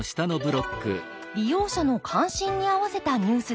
利用者の関心にあわせたニュースです。